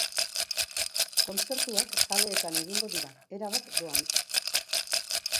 Kontzertuak kaleetan egingo dira, erabat doan.